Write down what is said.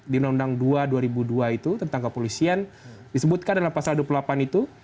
di undang undang dua dua ribu dua itu tentang kepolisian disebutkan dalam pasal dua puluh delapan itu